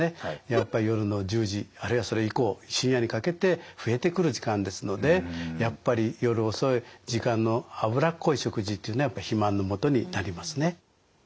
やっぱり夜の１０時あるいはそれ以降深夜にかけて増えてくる時間ですのでやっぱり夜遅い時間の脂っこい食事というのはやっぱり肥満のもとになりますね。